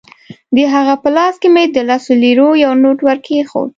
د هغه په لاس کې مې د لسو لیرو یو نوټ ورکېښود.